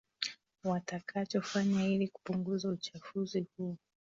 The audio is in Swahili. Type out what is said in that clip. watakachofanya ili kupunguza uchafuzi huo